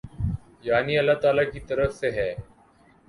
یعنی اﷲ تعالی کی طرف سے ہے۔